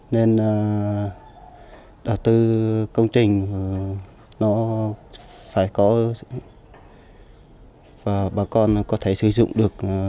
nên đầu tư công trình nó phải có và bà con có thể sử dụng được